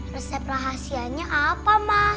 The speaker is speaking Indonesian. resep rahasianya apa ma